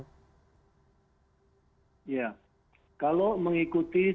ya kalau mengikuti kebijakan tersebut kita harus mencari kebijakan tersebut